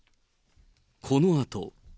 このあと。